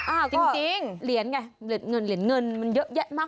อ่าก็เหรียญไงเหรียญเงินมันเยอะแยะมากมาย